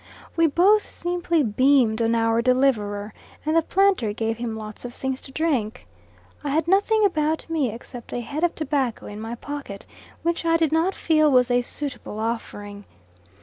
We both simply beamed on our deliverer, and the planter gave him lots of things to drink. I had nothing about me except a head of tobacco in my pocket, which I did not feel was a suitable offering.